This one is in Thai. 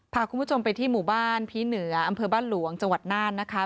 พาคุณผู้ชมไปที่หมู่บ้านผีเหนืออำเภอบ้านหลวงจังหวัดน่านนะคะ